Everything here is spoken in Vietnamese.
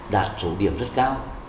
đạt số điểm rất cao